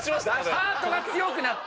ハートが強くなった。